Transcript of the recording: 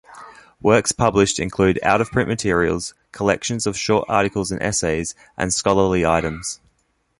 Works published include out-of-print materials, collections of short articles and essays, and scholarly items.